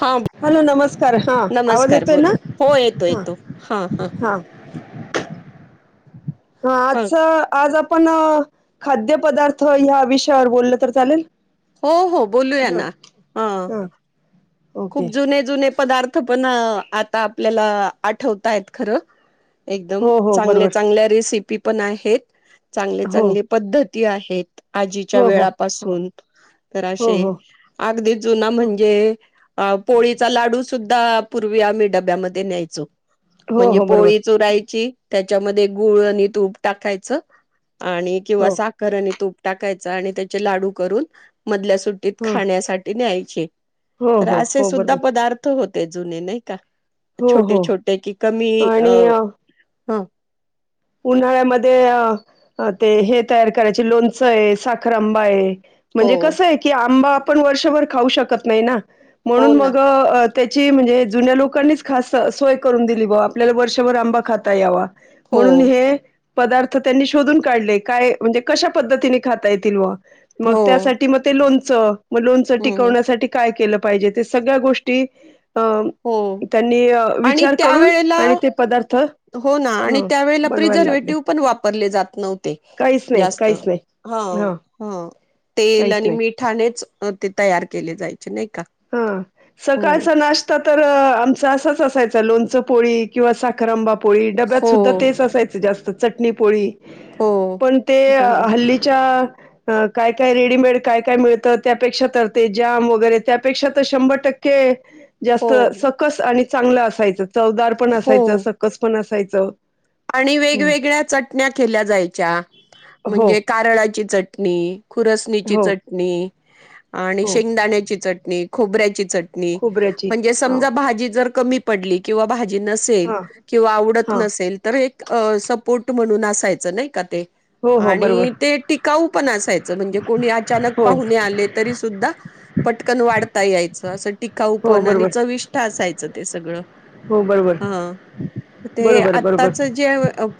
हा हॅलो नमस्कार हा आवाज नमस्कार येतोय बोल ना हो येतो हा येतो हा हा हा आजच आज आप आपण खाद्य पदार्थ ह्या विषयावर बोलल तर चालेल? हो हो बोलूया हा ना हं हा खूप ओके जुने जुने पदार्थ पण आता आपल्याला आठवताय खरं एकदम हो हो चांगल्या बरोबर चांगल्या रेसिपी पण आहेत. चांगले हो चांगले पद्धत ती आहेत. आजीच्या हो हो हो वेळापासून तर हो असे हो अगदी जुना म्हणजे पोळीचा लाडू सुद्धा पूर्वी आम्ही डब्यामध्ये न्यायचो हो म्हणजे हो बरोबर पोळी चुरायची त्या त्याच्यामध्ये गुळ, आणि तूप टाकायचं आणि किंवा हो साखर आणि तूप टाकायच आणि त्याचे लाडू करून मधल्या सुटीत हो खाण्यासाठी न्याय चे हो तर हो असे हो सुद्धा बरोबर पदार्थ होत ते जुूने नाही का? हो छोटे हो छोटे की कमी अ ह उन्हाळ्यामध्ये ते हे तयार करायचे लोणचंय, साखर आंबाय हो म्हणजे कसं की आंबा पण वर्षभर खाऊ शकत नाही ना! हो म्हणून ना मग अ त्याची म्हणजे जुन्या लोकांनीच खास सोय करून दिली बाॅ, आपल्याला वर्षभर आंबा खाता यावा हो म्हणून हे पदार्थ त्यांनी शोधून काढले काय म्हणजे कशा पद्धतीने खाता येतील बाॅ मग हो त्यासाठी मग ते लोणं च मग लोणचं हम्म टिकवण्यासाठी काय केलं पा पाहिजे ते सगळ्या गोष्टी अ हो त्यांनी आणि विचार करून त्यावेेळेला आणि ते पदार्थ ह त्या वेळी प्रिझर्वेटिव्ह पण वापरले जात नव्हते काहीच नाही जास्त काहीच नाही ह हा ह तेल काहीच आणि नाही मिठानेच अं ते तयार केले जायचे नाही का? हा. हो सकाळचा नाश्ता तर आमच असाच असायचं लोणचं पोळी किंवा साखरांबा पोळी, डब्यात हो सुद्धा तेच असायच जास्त पो तर चटणी पोळी. हो पण ते हो अं हल्लीच्या हं काय काय रेडीमेड, काय काय मिळतं त्यापेक्षा तर ते जाम वगैरे त्या पेक्षा तर शंभर टक्के जास्त हो सकस आणि चांगलं असायचं. चवदार पण असायचं, हो. सकस पण असायचं. चौ आणि वेगवेगळ्या चटण्या केल्या जायच्या, हो म्हणजे कारळाची चटणी, खुरसणीची हो चटणी आणि हो शेंगदाण्याची चटणी. खोबऱ्याची चट णी खोबऱ्याची म्हणजे हा समजा भाजी जर कमी पडली, किंवा भा जली नसेल, हा किंवा आवडत हा नसेल तर एक अं सप पुट म्हणून असायचं नाही का ते? हो हो बरोबर आणि ते टिकाऊ पण असायचं, म्हणजे कोणी अचानक हो पाहुणे आले, तरी सुद्धा पटकन वाढता यायचं असं टिकाऊ हो पण आणि बरोबर चविष्ट्ठ असायचं ते सगळं, हो बरोबर हा. ते बरोबर आ बरोबर त्याचे जे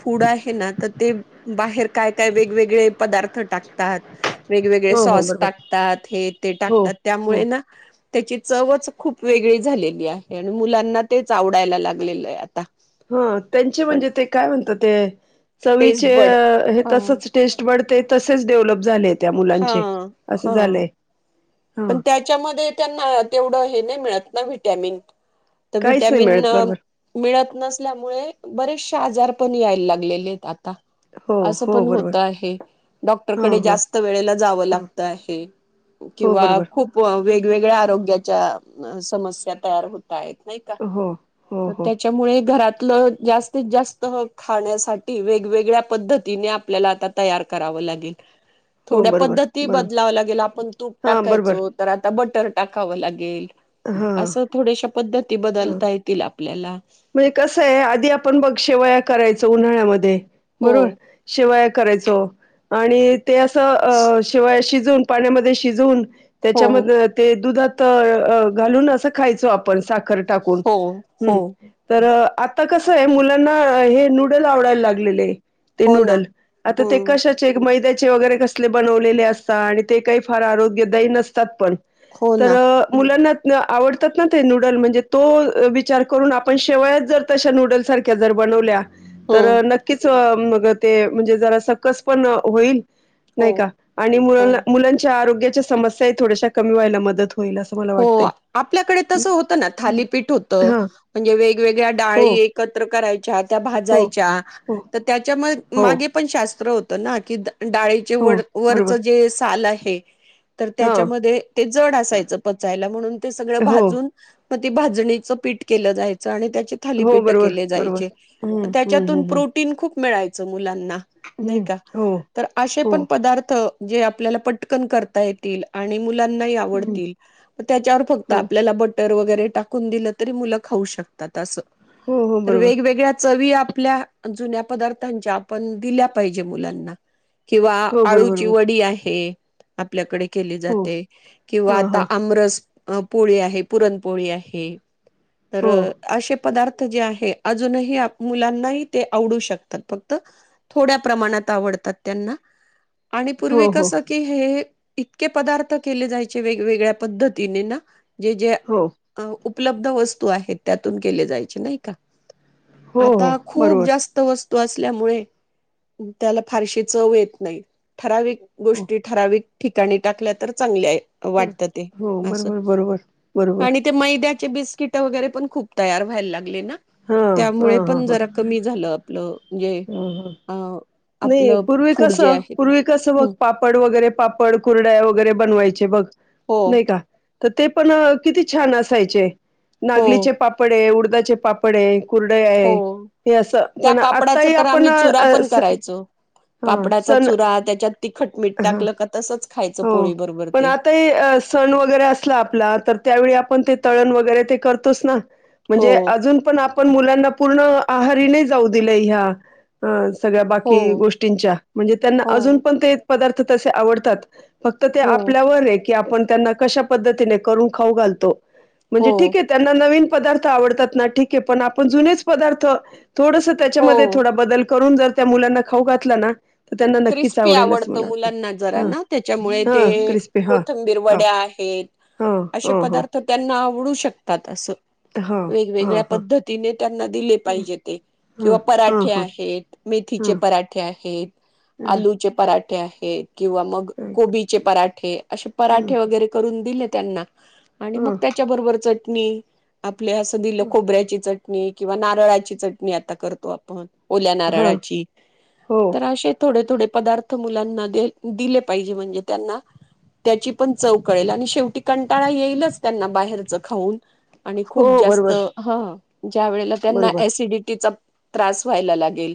फूड आहे ना, तर ते बाहेर काय काय वेगवेगळे पदार्थ टाकतात. वेगवेगळे हो हो सॉस बरोबर टाकतात, हे ते हो टाकतात, हो त्यामुळे ना त्याची चवच खूप वेगळी झालेली आहे, आणि मुलांना तेच आवडायला लागलेलं आहे आता. हा. त्यांचे पण म्हणजे ते काय म्हणतात ते, चवीचे टेस्ट बड अं हे हा तसच टेस्ट वाढते तसेच डेव्हलप झालेत. त्या हा मुलांचे असं हा झालंय. हा पण त्याच्यामध्ये त्यांना तेवढं हे नाही मिळत ना व्हीट्यामिन तर काहीच नाही व्हिट्यामिन मिळत बरोबर मिळत नसल्यामुळे बरेचशे आजार.. पण यायला लागलेले आहेत आता, हो असं हो पण बरोबर होत आहे, हा डॉक्टरकडे हो जास्त वेळेला जावं ह लागत आहे. हो किंवा बरोबर खूप वेगवेगळ्या आरोग्याच्या समस्या तयार हो नाही का हो हो हो त्याच्यामुळे घरात जास्तीत जास्त खाण्यासाठी वेगवेगळ्या पद्धतीने आपल्याला आता तयार करावं लागेल हो थोड्या बरोबर पद्धती बरोबर बदलावला गेला आपण तू हा बरोबर टाकायचो तर आता बटर टाकावं लागेल हा असं थोडेश पद्धती हा बदलता येतील आपल्याला म्हणजे कसं आहे आधी आपण बघ वया करा यचं उन्हाळ्यामध्ये हो बरोबर शिवाय करायच आणि ते असं अ शिवायशी शिजून पाण्यामध्ये शिजवून हो त्याच्यामध्ये ते दुधात घालून असं खायचो आपण साखर टाकून हो हो हम्म तर आता कसं आहे मुलांना हे नूडल आवडायला लागलेले ते हो ना नूडल आता ते हम्म कशाचे मैदा्या वगैरे कसले बनवलेले असतात आणि ते काही फार आरोग्यदायी नसतात पण हो तर ना मुलांना आवडतात ना ते नूडल म्हणजे तो विचार करून आपण शेवयात जर तशा नूडलसारख्या जर बनवल्या तर हम्म नक्कीच मग ते म्हणजे जरा सकस पण होईल नाही हो का आणि हो मुला मुलांच्या आरोग्या समस्या थड्या कमी व्हाय मत हो आपल्याकडे तस होत ना थालीपीठ होत हां. म्हणजे वे वेवेगळ्या हो, डाळी एकत्र करायच्या. त्या हो, भाजायच्या हो, तर त्याच्या म हो, मागे पण शास्त्र होत त ना [unintelligible] कित डाळीचे हो. वर बरोबर. वरचं जे साल आहे हे तर हां. त्याच्यामध्ये ते जड असायचं म्हणून ते सगळं हो, भाजून. मग त भाजणीचं पीठ केलं जायचं आणि हो. थालीपीठ बरोबर, केली बरोबर. जायची हं, हं, त्याच्यातून हं, हं. प्रोटीन खूप मिळायचं. मुलांना नाही हं. का हो, तर आशे हो. पण पदार्थ जे आपल्याला पटकन करता येतील आणि मुलांना ही हं. आवडतील. त्याच्यावर फक्त हो, आपल्याला ब बटर वगैरे टाकून दिलं तरी मुलं खाऊ शकतात असं. हो, हो. तर बरोबर. वेगवेगळ्या चवी आपल्या जुन्या पदार्थच्या आपण दिल्या पाहिजे मुलांना. किंवा हो, बरोबर, आळूची बरोबर. वडी आहे. आपल्याकडे केली हो. जाते हां, किंवा हां. रसपोळी आहे पुरणपोळी आहे. तर हो असे पदार्थ जे अजूनही मुलांना ते आवडू शकतात फक्त थोड्या प्रमाणात आवडतात त्यांना. आणि पूर्वी हो हो कसं की हे इतके पदार्थ केले जायचे वेगळे वेगळ्या पद्धतीने ना. जे जे हो उपलब्ध वस्तू आहेत त्यातून केले जायचे नाही का. हो हो आता खूप बरोबर जास्त वस्तू नसल्यामुळे त्याला फारशी चव येत नाही ठराविक हो गोष्टी ठरावीक ठिकाणी टाकल्या तर चांगल्या आहे. वाटतं ते हो असं बरोबर बरोबर बरोबर आणि ते मैद्यात चे बिस्किट वगैरे पण खूप तयार व्हायला लागले ना. हम्म त्यामुळे पण हम्म हां जरा कमी झालं आपलं म्हणजे हं हं अ नाई आपलं पूर्वी फूड जे कसं, आहे ते. पूर्वी कसं बघ हं. पापड वगैरे पापड कुरडया वगैरे- बनवाय चे बघ. हो नाहीं कां? त ते पण अ किती छान असायचे. हो नागलीचे पापडय उड दा चे पाप पडय. कुरडया ये हो ते असं त्या पण पापडाचा आत्ताई तर आम्ही आपणं चुरा अ पण असं करायचो. हम्म पापडाचा सण चुरा त्याच्यात तिखट मीठ हम्म टाकलं का तसंच खायचं हो पोळी बरोबर पण ते. आत्ताई अ सण वगैरे असला आपला तर, त्या वेळी आप पण ते तळण वगैरे ते करतोच ना. हो म्हंजे अजून पण आपण मुलांना पूर्ण आहारी नाई जाऊं दिलंय ह्या अ सगळ्या हो बाकी गोष्टींच्या म्हणजे त्यांना हो अजून पण ते पदार्थ तशे आवडतात. फक्त ते हो आपल्यावरय की आपण त्यांना कश्या पद्धतीनें करून खाऊ घालतो. म्हणजे हो ठीक आहे त्यांना नवीन पदार्थ आवडतात ना ठीक प की पण आपण जुनेच पदार्थ थोडस हो त्यांच्यामध्ये थोडा बदल करून जर त्या मुलांना खाऊ घातला ना तर त्यांना नक्कीच क्रिस्पी आवडेल असं आवडतं मला वाटतंय. मुलांना जरा, हा. ना त्याच्यामुळे हा ते क्रिस्पी हा कोथंबीर हा वड्या आहेत, हा असे हा हा पदार्थ त्यांना आवडू श कतात असं. हा हा वेगवेगळ्या हा पद्धतीने त्यांना दिले पाहिजे ते हा किंवा हा हा पराठे हा आहेत, मेथीचे पराठे आहेत. आलूचे परा ते आहेत. किंवा मग कोबीचे परा ठे अशे पराठे वगैरे करून दिलेत त्यांना आणि मग ह त्याच्याबरोबर चट मी आ- हे असं दिलं खोबऱ्याची चट- णी किंवा नारळाची चटणी आता करतो आपण. ओल्या हा नारळाची हो थोडे थोडे पदार्थ मुलांना दि दिले पाहिजे म्हणजे, त्यांना त्याची पण चव कळेल आणि शेवटी कंटाळा येईलच त्यांना बाहेरचं खाऊन. आणि हो खूप जास्त बरोबर हा, ज्या वेळेला त्यांना बरोबर सिडिटीचा त्रास व्हायला लागेल.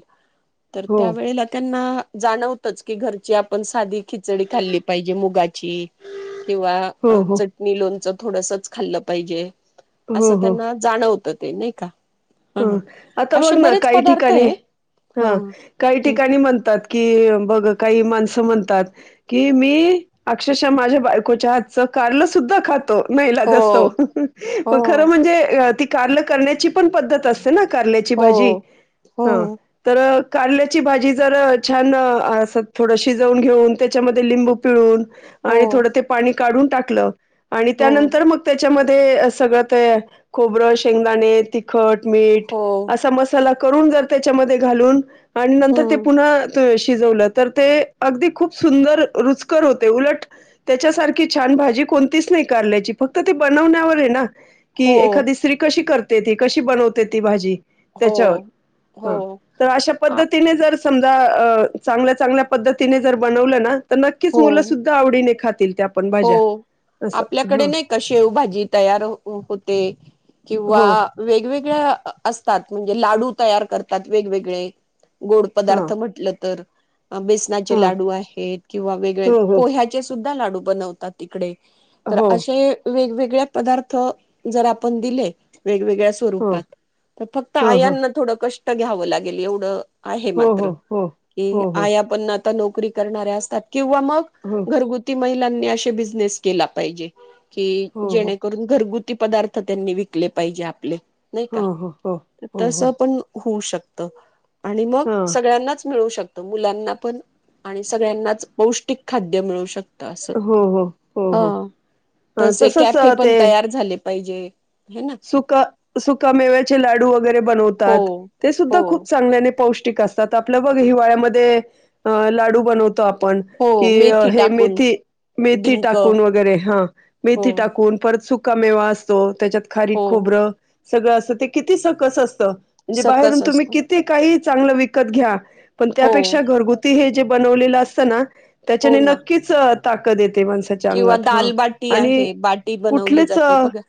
तर हो त्यावेेळेला ना जाणवतच की घरची आपन साधी खिचडी खाल्ली पाहिजे मुगाची किंवा हो हो चटणी लोणच, थोडसच खाल्लं पाहिजे. हो असं हो त्यांना जाणवत, ते नाही का! ह आता असे बघ ना बरेच काही पदार्थ ठिकाणी आहे हा हो काही ठिकाणी म्ह म्हणतात की मग काही माणसं म्हणतात की मी अक्षरशः माझ्या बायकोच्या हातचं कारलं सुद्धा खात हो [unintelligible] खरं हो म्हणजे ती कारल करण्याची पण पद्धत दसेे ना कारल्याची भाजी. हो ह तर कारल्याची भाजी जर छान अस थोडं शिजवून घेऊन त्याच्यामध्ये लिंबू पिळून, हो आणि थोडं ते पाणी काढून टाकलं. आणि हो त्यानंतर मग त्याच्याम ते सगळं ते खोबरं, शेंगदाणे, तिखट, मीठ हो असा मसाला करून जर त्याच्यामध्ये घालून. आणि नंतर ते हम्म पुन्हाते शिजवलं तर ते अगदी खूप सुंदर रुचकर होते उलट त्याच्यासारखी छान भाजी कोणतीच नाही, कारल्यायची फक्त ते बनवण्यावर आहे ना की हो एखादी स्त्री कशी कर तीती कशी बनव ते ती भाजी. हो त्याच्यावर हो ह तर अशा आ पद्धतीने जर, समजा चांगल्या चांगल्या पद्धतीने जर बनवलं ना. तर नक्कीच हो मुलं सुद्धा आवडीने खात हो आपल्याकडे हं. नाही का शेवभाजी तयार होते किंवा हो. वेगवेगळ्या असतात म्हणजे लाडू तयार करतात. वेगवेगळे गोड हां, पदार्थ म्हटलं तर, बेसनाचे हां. लाडू आहेत किंवा वेगळे हो, हो. पोह्याचे सुद्ध लडू बनवतात तिकडे तर हो, असे वेगवेग पदार्थ जर आपण दिले व स्वर हो. फक् हं, हं. आ घ्यावं लागेल एवढं. आहे हो, मात्र हो, हो. की हो, हो. आ आपण नोकरी करणार्या असतात. किंवा मग हो, घरगुती महि [unintelligible] [unintelligible] कि हो, हो. जेणेकरून घरगु पदार्थ त्यांनी विकले पाहिजे आपले नाही का हो, हो, हो. हो, तस हो. पण होऊ शकत. [unintelligible] आणि मग हां. सगळ्यांनाच मिळू शकतो. मुलांना पण आणि सगळ्यांनाच पौष्टिक खाद्य मिळू शकत. तरसं हो हो हो हो हा तस कॅफे पण ते तयार झाले पाहिजे. हे ना सुका सुका मेवेचे लाडू वगैरे हो [unintelligible] त हो आप ब हिवाळ्या लाडू बनवतो. हो मेथी टाकून मी मथी डिंक टाून वगर ह. हो [unintelligible] मेवा असतो त्याच्यात खारी हो खोबरं. सगळं असं ते किती सकस असतं. म्हणजे बाहेरून सकस तुम्ही असत किती काही चांगलं विकत घ्या पण हो त्यापेक्षा घरगुती हे जे बनवलेलं असतं ना हो त्याच्याने ना नक्कीच ताकतेेत माणसाच्या किंवा अंगात ह दालबाटी आणि आहे बाटी बनवली कुठलेच जाते बघा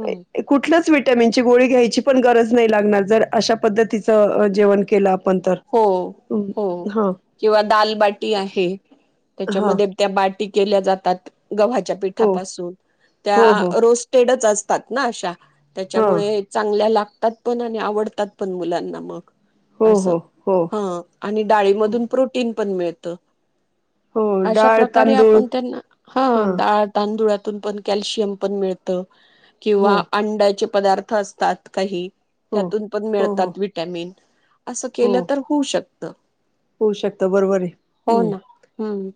हम्म. कुठल्याच वि्हटमनची गळी घ्या त्या पण गरज नाही लागणार अशा पद्धती जेवण के हो हो किंवा दालबाटी आहे हा त्याच्यामध्ये त्या बाट ी केल्या जातात गव्हाच्या हो पिठापासून त्या हो हो रोस्टेडच असत ात ना अशा हा त्याच्यामुळे चांगल्या लाग ात पण आणि आवडतात पण मुलांना मग हो असं हो हो हा आणि डाळीमधून प्रोटीन पण मिळत त हो अशा डाळ प्रकारे तांदूळ आपण त्यांना हा डाळ तांदूळात तून पण कॅल्शियम पण मिळत हो किंवा अंड्याची पदार्थ असतात काही हो त्यातून पण हो हो मिळतात विटॅमिन असं हो केलं शकत होऊ शकत बरोबर आहे हो हम्म ना हम्म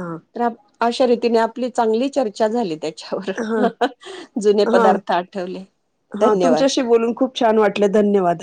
हा तर अशा रीतीने आपली चांगली चर्चा झाली त्या हा हा आठवले हा धन्यवाद तुमच्याशी बोलून खूप छान वाटले धन्यवाद